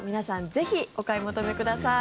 ぜひお買い求めください。